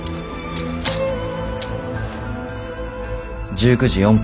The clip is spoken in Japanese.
１９時４分。